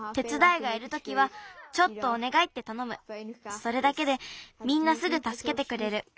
それだけでみんなすぐたすけてくれる。